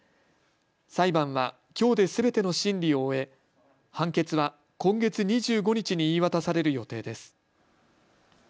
裁判はきょうですべての審理を終え判決は今月２５日に言い渡される予定です。